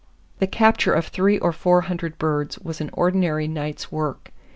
"The capture of three of four hundred birds was an ordinary night's work.